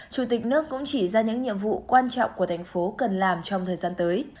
chủ tịch nước cũng chỉ ra những nhiệm vụ quan trọng của thành phố cần làm trong thời gian tới